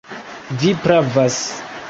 Vi pravas.